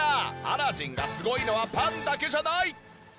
アラジンがすごいのはパンだけじゃない！